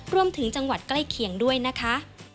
รวมถึงจังหวัดใกล้เคียงด้วยนะคะ